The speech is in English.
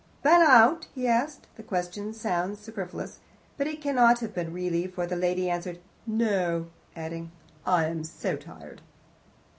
"Been out?" he asked. The question sounds superfluous, but it cannot have been really, for the lady answered, "No," adding, "Oh, I am so tired."